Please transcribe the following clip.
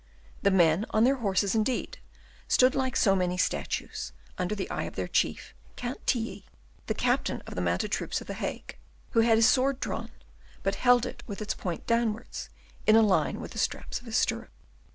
The men on their horses, indeed, stood like so many statues, under the eye of their chief, Count Tilly, the captain of the mounted troops of the Hague, who had his sword drawn, but held it with its point downwards, in a line with the straps of his stirrup.